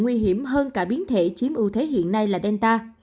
nguy hiểm hơn cả biến thể chiếm ưu thế hiện nay là delta